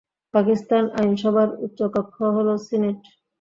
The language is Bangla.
পাকিস্তান আইনসভার উচ্চকক্ষ হল সিনেট।